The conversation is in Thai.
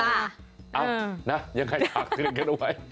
เอ้านะยังไงฝากเตือนกันเอาไว้